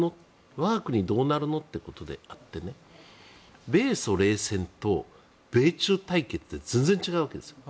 我が国どうなるの？ということであって米ソ冷戦と、米中対決って全然違うわけですよ。